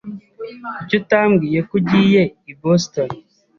Kuki utambwiye ko ugiye i Boston?